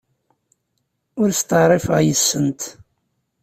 Ur steɛṛifeɣ yes-sent.